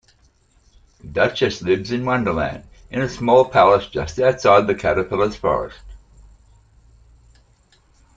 The Duchess lives in Wonderland in a small palace just outside the Caterpillar's forest.